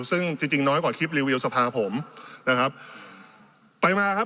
ซึ่งจริงจริงน้อยกว่าคลิปรีวิวสภาผมนะครับไปมาครับ